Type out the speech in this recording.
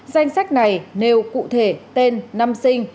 danh sách này nêu cụ thể tên năm sinh